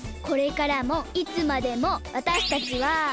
これからもいつまでもわたしたちは。